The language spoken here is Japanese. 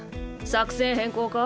作戦変更か？